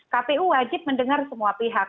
kpu wajib mendengar semua pihak